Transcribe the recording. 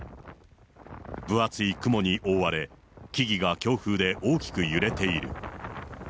分厚い雲に覆われ、木々が強風で大きく揺れている。